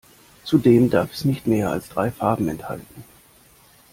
Zudem darf es nicht mehr als drei Farben enthalten.